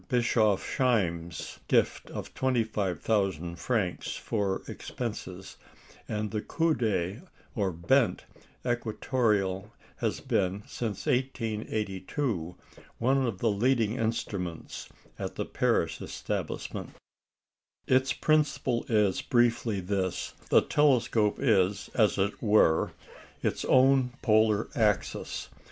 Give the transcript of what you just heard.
Bischoffsheim's gift of 25,000 francs for expenses, and the coudé or "bent" equatoreal has been, since 1882, one of the leading instruments at the Paris establishment. Its principle is briefly this: The telescope is, as it were, its own polar axis.